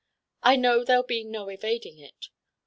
I know there'll be no evading it.